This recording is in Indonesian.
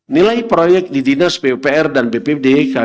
nilai proyek di dinas pupr dan bpbd